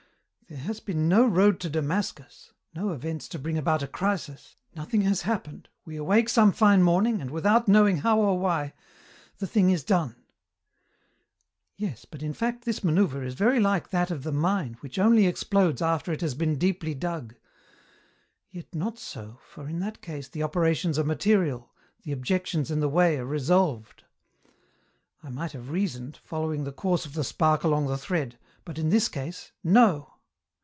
There has been no road to Damascus, no events to bring about a crisis ; nothing has happened, we awake some fine morning, and, without knowing how or why, the thing is done. " Yes, but in fact this manoeuvre is very like that of the mine which only explodes after it has been deeply dug. Yet not so, for in that case the operations are material, the objections in the way are resolved ; I might have reasoned, followed the course of the spark along the thread, but in this case, no